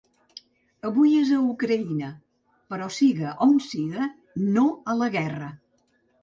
Avui és Ucraïna, però siga on siga, no a la guerra!